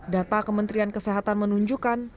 data kementrian kesehatan menunjukkan